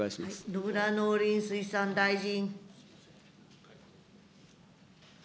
野村農林水産大臣。